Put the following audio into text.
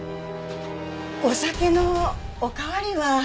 お酒のお代わりは？